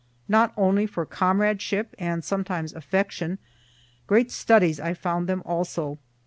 Not only for comradeship, and sometimes affection great studies I found them also.